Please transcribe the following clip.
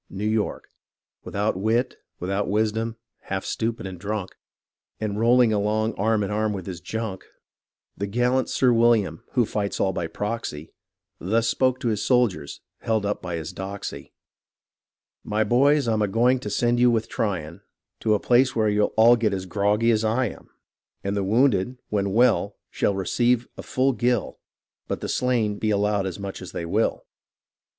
— New York Without wit, without wisdom, half stupid and drunk, And rolhng along arm in arm with his [junk], The gallant Sir William, who fights all by proxy, Thus spoke to his soldiers, held up by his doxy: "My boys, Fm a going to send you with Tryon To a place where you'll all get as groggy as I am ; And the wounded, when well, shall receive a full gill, But the slain be allowed as much as they will.